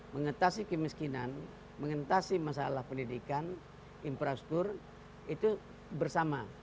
mengatasi kemiskinan mengatasi masalah pendidikan infrastruktur itu bersama